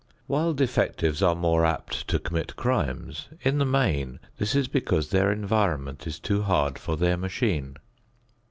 While defectives are more apt to commit crimes, in the main this is because their environment is too hard for their machine.